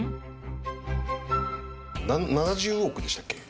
７０億でしたっけ？